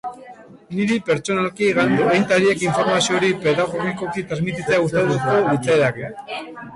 Niri, pertsonalki, agintariek informazio hori pedagogikoki transmititzea gustatuko litzaidake.